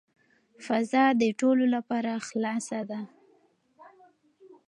فضا د ټولو لپاره خلاصه ده.